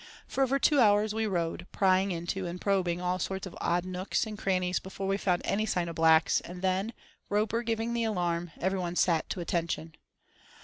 For over two hours we rode, prying into and probing all sorts of odd nooks and crannies before we found any sign of blacks, and then, Roper giving the alarm, every one sat to attention.